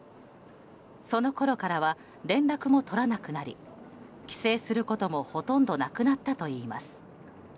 そのころからは連絡も取らなくなり帰省することもほとんどなくなったといいます。